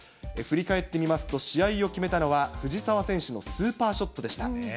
振り返ってみますと、試合を決めたのは、藤澤選手のスーパーショットでした。